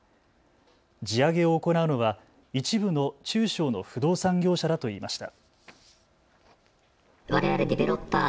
地上げを行うのは一部の中小の不動産業者だといいました。